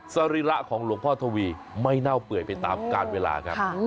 สรีระของหลวงพ่อทวีไม่เน่าเปื่อยไปตามการเวลาครับ